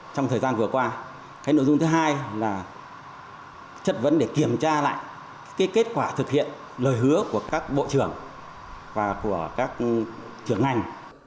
trong thời gian vừa qua cái nội dung thứ hai là chất vấn để kiểm tra lại cái kết quả thực hiện lời hứa của các bộ trưởng và của các trưởng ngành